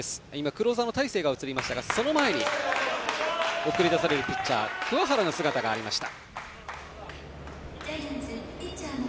クローザーの大勢が映りましたがその前に送り出されるピッチャー鍬原の姿がありました。